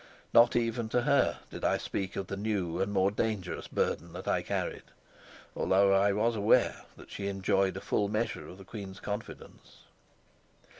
Not even to her did I speak of the new and more dangerous burden that I carried, although I was aware that she enjoyed a full measure of the queen's confidence.